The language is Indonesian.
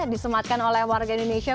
disematkan oleh warga indonesia